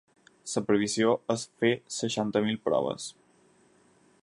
La previsió és fer seixanta mil proves.